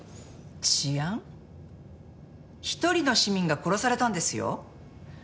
一人の市民が殺されたんですよ。